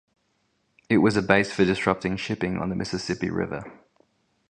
It was a base for disrupting shipping on the Mississippi River.